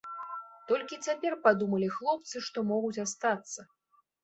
Толькі цяпер падумалі хлопцы, што могуць астацца.